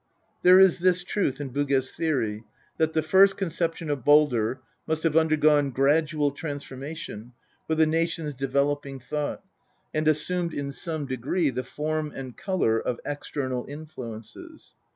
There is this truth in Bugge's theory, that the first conception of Baldr must have undergone gradual transformation with a nation's developing thought, and assumed in some degree the form and colour of external influences.